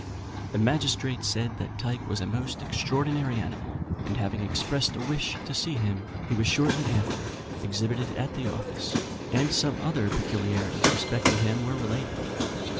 The magistrate said that Tyke was a most extraordinary animal; and having expressed a wish to see him, he was shortly after exhibited at the office, and some other peculiarities respecting him were related.